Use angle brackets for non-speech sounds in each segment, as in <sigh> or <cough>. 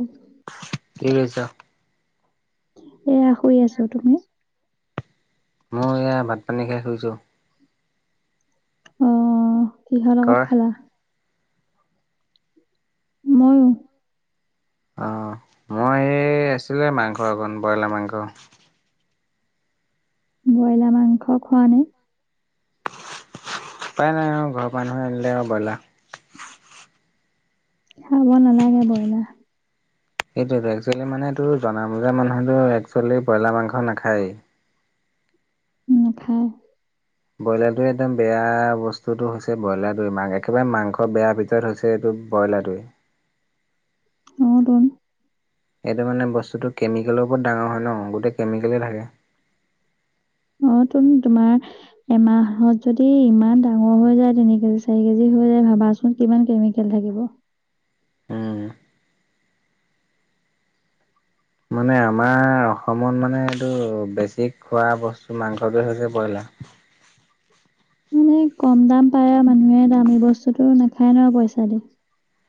উ কি কৰিছা? এয়া শুই আছো, তুমি? মই এয়া ভাত পানী খাই শুইছো। অ, কিহৰ তই? লগত খালা? ময়ো। অ, মই এই আছিলে মাংস অকণ, ব্ৰইলাৰ মাংস। ব্ৰইলাৰ মাংস খোৱা নে? উপায় নাই আও ঘৰ মানুহে আনিলে আও বইলা। খাব নালাগে বইলা। সেইটোৱেটো একচুৱেলি মানে তোৰ জনা বুজা মানুহেতো একচুৱেলি ব্ৰইলাৰ মাংস নাখায়েই। নাখায়। ব্ৰইলাটো এদম বেয়া বস্তুটো হৈছে ব্ৰইলাবেমাৰ একেবাৰে মাংস বেয়া <unintelligible> হৈছে এইটো ব্ৰইলাটোৱে। অ টোন। এইটো মানে বস্তুটো কেমিকেলৰ ওপৰত ডাঙৰ হয় ন, গোটেই কেমিকেলে থাকে। অ টোন তোমাৰ এমাহত যদি ইমান ডাঙৰ হৈ যায় তিনি কেজি, চাৰি কেজি হৈ যায়। ভাবাচো? <unintelligible> কিমান কেমিকেল থাকিব? উম। মানে আমাৰ অসমত মানে এইটো বেছি খোৱা বস্তু মাংসটোৱে হৈছে বইলা। মানে কম দাম পায় আও, মানুহে দামী বস্তুটো নেখায় ন পইচা দি।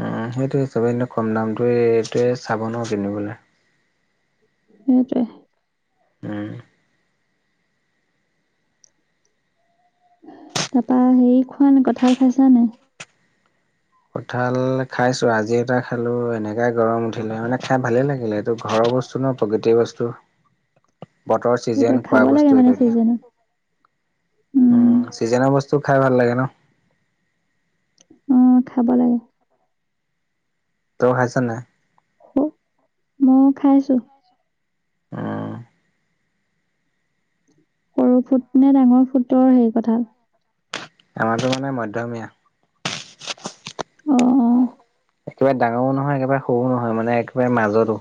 উম, সেইটোৱে চবে এনেইও কম দামটোৱে এইটোৱে চাব ন কিনিবলে। সেইটোৱে। উম। তাপা হেই খোৱা নাই, কঁঠাল খাইছা নাই? কঁঠাল খাইছো আজি এটা খালো। এনেকাই গৰম উঠিলে মানে, খাই ভালে লাগিলে এইটো ঘৰৰ ব স্তু ন, প্ৰকৃতিৰ বস্তু বতৰ সেইটোৱে চিজেন খাব খোৱা লাগে বস্তু মানে ইত্যাদি। চিজনত উম। চিজেন বস্তু খাই ভাল লাগে ন? উম, খাব লাগে। তও খাইছ নাই? <unintelligible> মইও খাইছোঁ। উম। সৰু ফুট নে ডাঙৰ ফুটৰ সেই কঁঠাল? আমাৰটো মানে মধ্যমীয়া। অ। একেবাৰে ডাঙৰো নহয়, একেবাৰে সৰুও নহয় মানে একেবাৰে মাজতো।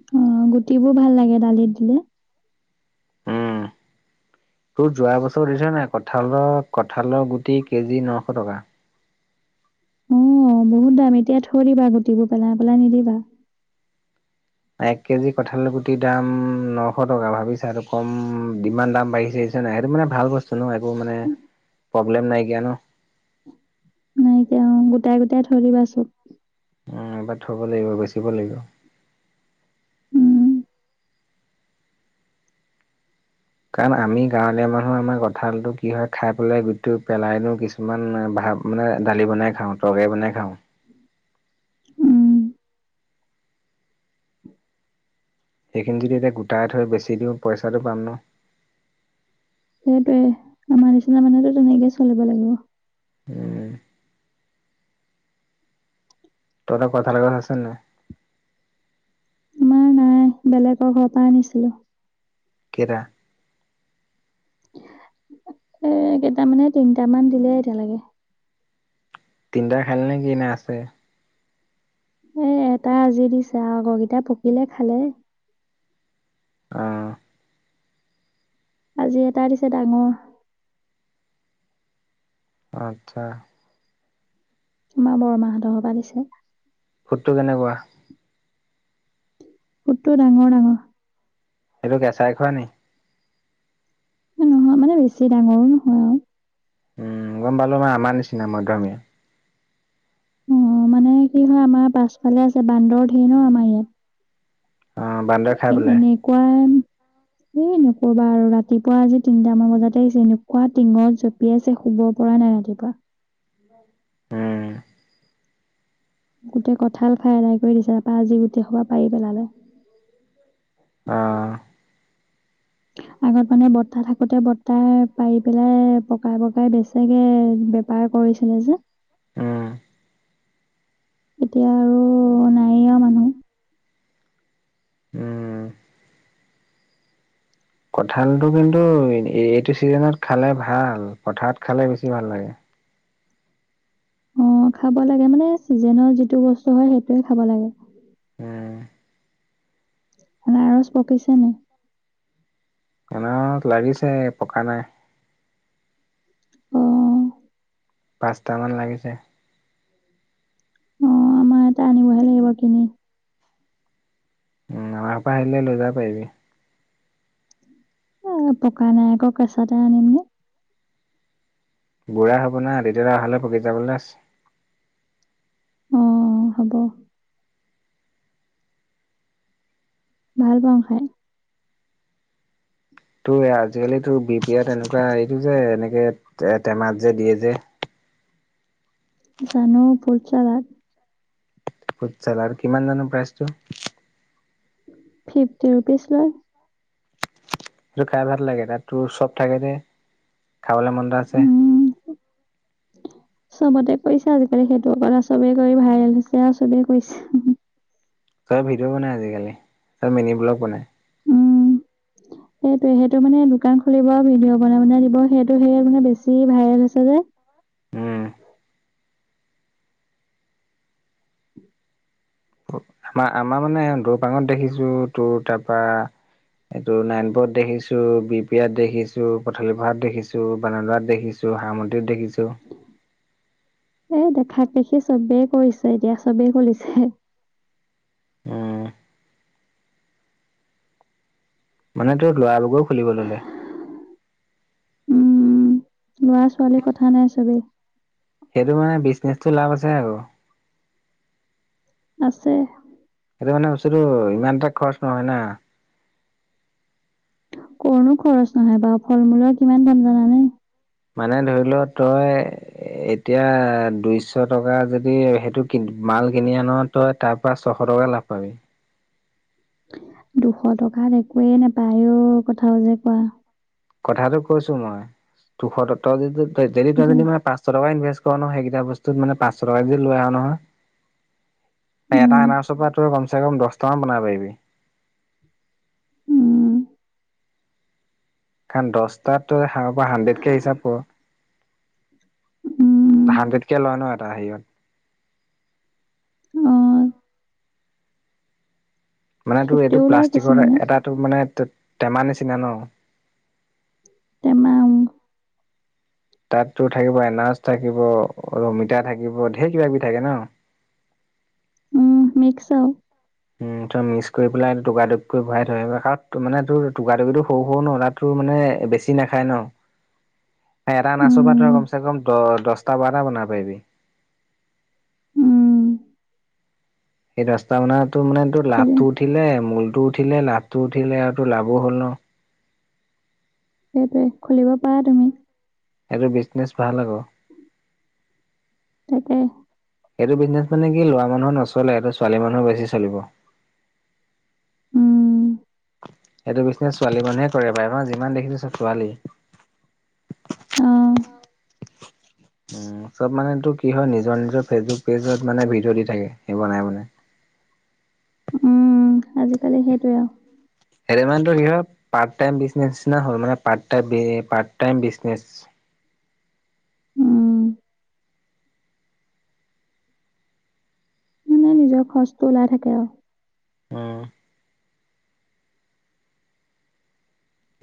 অ, গুটিবোৰ ভাল লাগে দালিত দিলে। উম, তোৰ যোৱা বছৰ <unintelligible> নাই কঁঠাল কঁঠাল গুটি কেজি নশ টকা। অ, বহুত দাম। এতিয়া থৈ দিবা গুটিবোৰ পেলাই পেলাই নিদিবা। এক কেজি কঁঠাল গুটিৰ দাম নশ টকা ভাবিছা আৰু কম যিমান দাম বাঢ়িছে নাই। সেইটো মানে ভাল বস্তু ন, একো মানে প্ৰব্লেম নাই কিয়া ন। নাইকিয়া অ, গোটাই গোটাই থৈ দিবা চব। অ, এবা থব লাগিব, বেচিব লাগিব। উম। কাৰণ আমি গাঁৱলীয়া মানুহ আমাৰ কঁঠালটো কি হয় খাই পেলাই গুটিটো পেলাই দিওঁ কিছু মান ভাত মানে দালি বনাই খাওঁ, তৰকাৰী বনাই খাওঁ। উম সেইখিনি যদি এতিয়া গোটাই থৈ বেছি দিওঁ পইচাটো পাম ন। সেইটোৱে, আমাৰ নিচিনা মানুহেতো তেনেকে চলিব লাগিব। উম। তহঁত কঠাল গছ আছেন নাই? বেলেগ ঘপা আনিছিলো। কেটা? এ কেটা মানে তিনটামান দিলে এতিয়ালৈকে। তিনটাই খালি নে কি? নে আছে? এ এটা আজি দিছে আৱ আগকিটা পকিলে খালে। অঁ। আজি এটা দিছে ডাঙৰ। আচ্ছা'। তোমাৰ বৰমাহঁতৰ ঘৰৰপৰা দিছে। ফুটটো কেনেকুৱা? ফুটটো ডাঙৰ ডাঙৰ। সেইটো কেঁচাই খোৱা নি? নহয় মানে বেছি ডাঙৰো নহয় আৰু। উমঁ' গম পালো মই আমাৰ নিচিনা মধ্যমীয়া। উমঁ' মানে কি হয় আমাৰ পাছফালে আছে বান্দৰ ঢেৰ ন' আমাৰ ইয়াত। অ' বান্দৰে খাই পেলাই এনেকুৱা এ নকবা আৰু ৰাতিপুৱা আজি তিনিটামান বজাতে আহিছে এনেকুৱা টিঙত জ পিয়াইছে শুব পৰা নাই ৰাতিপুৱা। <inaudible> উমঁ। গোটেই কঁঠাল খাই আদায় কৰি দিছে তাৰপৰা আজি গোটেই সোপা পাৰি পেলালো। অঁহ'। আগত মানে বৰ্তা থাকোতে বৰ্তাই পাৰি পেলাই পকাই পকাই বেচেগে- বেপাৰ কৰিছিলে যে। উম, এতিয়া আৰু নাই আৰু মানুহ। উম। কঠালটো কিন্তু এইটো চিজনত খালে ভাল, পথাৰত খালে বেছি ভাল লাগে। উমঁ' খাব লাগে মানে চিজনৰ যিটো বস্তু হয় সেইটোয়ে খাব লাগে। উমঁ। আনাৰস পকিছে নাই? আনাৰস লাগিছে পকা নাই। উমঁ। পাঁচটামান লাগিছে। অঁ' আমাৰ এটা আনিবহে লাগিব কিনি। উমঁ' আমাৰ পৰা আহিলে লৈ যাব পাৰিবি। এ পকা নাই আকৌ কেঁচাতে আনিম নে। বুঢ়া হ'ব না, তেতিয়া তই অহালে পকি যাবলৈ আছে। অ হ'ব। ভাল পাওঁ খাই। তো' আজিকালিটো বি বিয়াত এনেকুৱা এইটো যে এনেকে টেমাত যে দিয়ে যে। জানো ফুদ চেলাৰ। ফুট চেলাৰ কিমান জানো প্ৰাইচটো? ফিফটি ৰুপিজ লয়। সেইটো খাই ভাল লাগে। তাত তোৰ চ'ব থাকে যে খাবলৈ মন এটা আছে। উম <unintelligible> চবতে কৰিছা আজিকালি সেইটোৰ পৰা, চবেই কৰি ভাইৰেল হৈছে আৰু চবেই কৰিছে। চবে ভিডিঅ' বনাই আজিকালি আৰু মিনি ব্লগ বনাই। উম সেইটোৱে, সেইটো মানে দোকান খুলিব আৰু ভিডিঅ' বনাই বনাই দিব সেইটো সেয়ে মানে বেছি ভাইৰেল হৈছে যে। উমঁ। আমাৰ-আমাৰ মানে দৌপাঙত দেখিছো, তোৰ তাৰপৰা এইটো নাৰায়ণপুৰত দেখিছো, বি পিয়াত দেখিছো, পথালি পাৰাত দেখিছো, বানদাত দেখিছো। সামন্দিৰত দেখিছো। এ দেখাক দেখি চবেই কৰিছে এতিয়া চবেই খুলিছে। উম মানে তোৰ ল'ৰাবোৰো খুলিব ললে। উম লৰা ছোৱালী কথা নাই চবেই। সেইটো মানে বিজনেচটো লাভ আছে আৰু। আছে। সেইটো মানে বস্তুটো ইমান এটা খৰচ নহয় না। কৰনো খৰচ নহয় বাৰু, ফল মূলৰ কিমান দাম জানানে? মানে ধৰি লও তই- এতিয়া দুইশ টকা যদি সেইটো কি মাল কিনি আন- তই তাৰ পৰা ছশ টকা লাভ পাবি। দুশ টকাত একোৱেই নাপায় ও কথাও যে কোৱা। কথাটো কৈছো মই দুশ তই যদি তই ডেইলী তই যে যদি মই পচ- ছ টকাকে ইনভেষ্ট কৰ নহয় সেইকেইটা বস্তুত মানে পাঁশ টকাকে যদি লৈ আহ নহয়, এটা উম, এনাৰচৰপৰাই টোৰ কম চে কম দশটা মান বনাব পাৰিবি। উম, কাৰণ দশটাত তই হাণ্ড্ৰেত কে হিচাপ কৰ। উম, হাণ্ড্ৰেড কে লয় নহয় এটা হাৰিয়ত। অঁ মানে তোৰ এইটো ফিফটিও লয় প্লাষ্টিকৰ কিছুমানে এটা তুৰ মানে টে টেমাৰ নিচিনা ন। তেমা উম। তাত তোৰ থাকিব এনাজ থাকিব অমিতা থাকিব ধেৰ কিবা কিবি থাকে ন। উম মিক্স আও। উম ত মিক্স কৰি পেলাই টুকা টোক কৰি ভৰাই থৈ ক কাৰন মানে তোৰ টুকা টুকিটো সৰু সৰু ন তাত- টো মানে বেছি নাখায় ন, এটা অনাৰসৰ পৰাই উম, তই কম চে কম দ দশটা বাৰটা বনাব পাৰিবি। উম, সেই দশটা মানে তৰ মানে তৰ খুলি লাভটো উঠিলে মূলটো উঠিলে লাডটো উঠিলে আৰু তৰ লাভো হ'ল ন। সেইটোৱে খুলিব পাৰা তুমি। এইটো বিজনেচ ভাল আকৌ। তাকে। এইটো বিজনেছ মানে কি লৰা মানুহৰ নচলে এইটো ছোৱালী মানুহৰ বেছি চলিব। উম এইটো বিজনেছ ছোৱালী মানুহে কৰে পাৰে মই যিমান দেখিছো চব ছোৱালী। অঁ <inaudible> উম চব মানেটোৰ কি হয় নিজৰ নিজৰ ফেচবুক পেজত মানে ভিডিঅ' দি থাকে সেই বনাই বনাই। উম আজিকালি সেইটোৱে আৰু। সেইটো মানে টোৰ কি হয় পাৰ্ত তাইম বিজনেছ নিচিনাই হল মানে পাৰ্ট টইম বি মানে পাৰ্ট টাইম বিজনেছ। উম, মানে নিজৰ খৰচটো ওলাই থাকে আৰু। উম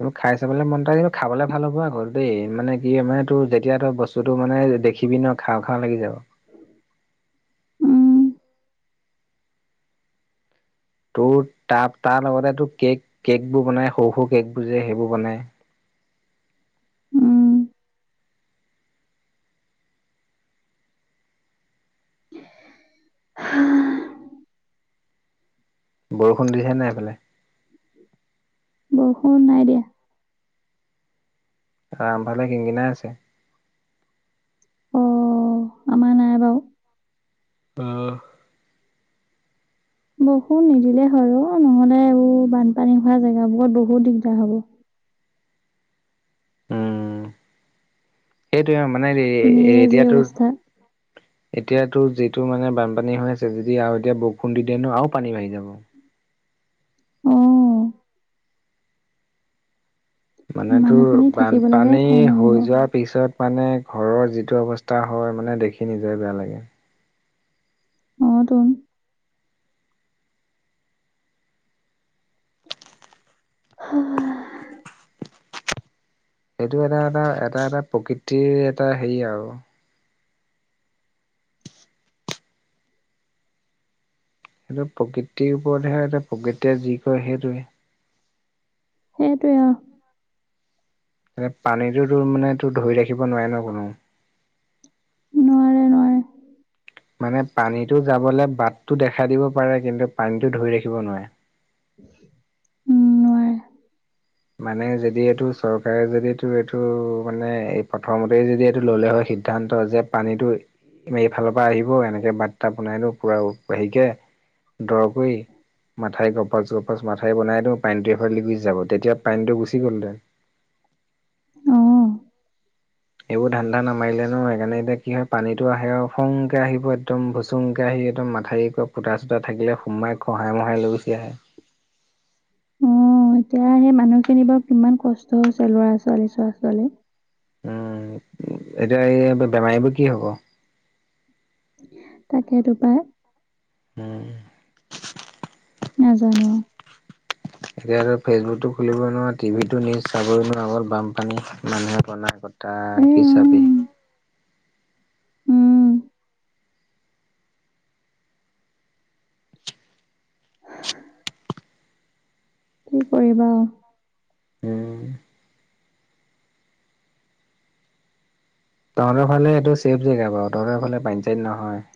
উম খাই চাবলে মনতায় খাবলে ভাল হ'ব আকৌ দেই মানে কি মানে তোৰ যেতিয়া তই বচ- তুটো মানে দেখিবি ন খাওঁ খাওঁ লাগি যাব। উম, তোৰ তাৰ তাৰ লগতে তোৰ কেক কেকবোৰ বনাই সৰু সৰু কেকবোৰ যে সেইবোৰ বনাই। উম হম বৰুষুণ দিছে নাই সেইফালে? বৰষুণ নাই দিয়া। আমাৰ ফালে কিনকিনাই আছে। হেল্ল'। উম' বৰষুণ নিদিলে হয় অ, নহলে এইবোৰ বানপানী হোৱা জেগাবোৰত বহুত দিগদাৰ হ'ব। উম' সেইটোয়ে মানে ‌এ‌ এনেয়ে যি এতিয়াতো। অৱস্থা। এতিয়াতো যিটো মানে বানপানী হৈ আছে যদি আৰু এতিয়া বৰষুণ দি দিয়ে ন আৰু পানী বাঢ়ি যাব। উম' মানে তোৰ মানুহখিনি থাকিব লাগে বানপানী ঠাই নহ'ব। হৈ যোৱাত। পিছত মানে ঘৰৰ যিটো অৱস্থা হয় মানে দেখি নিজৰে বেয়া লাগে। অ' টোন। হা' সেইটো এটা এটা এটা এটা প্ৰকৃতিৰ এটা হেৰি আৰু। সেইটো প্ৰকৃতিৰ ওপৰতহে প্ৰকৃতিয়ে যি কয় সেইটোৱে। সেইটোৱে আৰু। মানে পানীটো তোৰ মানে তোৰ ধৰি ৰাখিব নোৱাৰে ন কোনেয়ো। নোৱাৰে নোৱাৰে। মানে পানীটো যাবলৈ বাটতটো দেখাই দিব পাৰে কিন্তু পানীটো ধৰি ৰাখিব নোৱাৰে। উম' নোৱাৰে। মানে যদি এইটো চৰকাৰে যদি এইটো এইটো মানে এই প্ৰথমতেই যদি এইটো ল'লে হয়, সি। সিদ্ধান্ত যে পানীটো। এইফালৰ পৰা আহিব, এনেকে বাট‌টা বনাই দিও পুৰা হেৰিকে। দৰকৈ মাথাই গপছ গপছ মাথাউৰি বনাই দিওঁ পানীটো এফাল দি গুছি যাব তেতিয়া। পানীটো গুচি গ'ল হেঁতেন। উম'। এইবোৰ ধান্ধা নামাৰিলে নহয় সেইকাৰণে এতিয়া কি হয় পানীতো আহে আৰু খংকে আহিব একদম ব। চুংকে আহি‌ একদম মাথাউৰিকৈ পোটা চোটা থাকিলে সোমাই খঁহাই মহাই লৈ গুছি আহে। অ' এতিয়া আমি মানুহখিনি বাৰু কিমান কষ্ট। ক‌‌ষ্ট হৈছে ল'ৰা ছোৱালী ছৰা ছোৱালীৰ। উম' এতিয়া এই বেমাৰীবোৰ কি হ'ব? তাকেটো‌ পাই। উম' নাজানো আৰু। এতিয়াটো ফেচবুকতটো খুলিবই নোৱাৰো, টিভিটো নিউজ চাবই নোৱাৰো, অকল বানপানী, মানুহে বনাই‌ আগত তাৰ এ, কি‌ চাবি। উম, উম' কি কৰিবা আৰু। উম' তহঁতৰ ফালে এইটো চেফ জেগা বাৰু তহঁতৰ ফালে পানী চানী নহয়।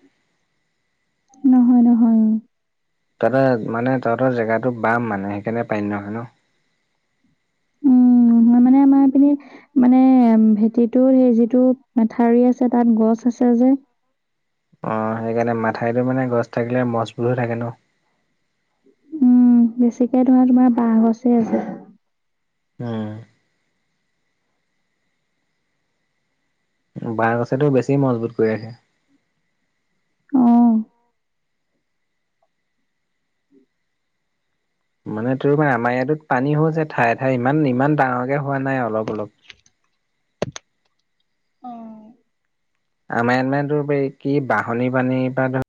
নহয় নহয়। তহতে মানে তহঁতৰ জেগাতটো বাম মানে সেইকাৰণে পানী নহ‌য় ন? আমি মানে ভেটিটোৰ সেই যিটো মাথাউৰি আছে তাত গছ আছে যে। অ সেইকাৰণে মাথাইতো মানে গছ থাকিলে মজবুত হৈ থাকে ন? উম' বেছিকে ধৰা তোমাৰ বাহ গছে আছে। উম'। বাঁহ গছেতো বেছি মজবুত কৰি ৰাখে। অ। মানে তোৰ মানে আমাৰ ইয়াতো পানী হৈছে ঠাইে ঠাই ইমান ইমান ডাঙৰকে হোৱা নাই অলপ অলপ। আমাৰমে তোৰ কি বাহনী পানী বা ধৰ।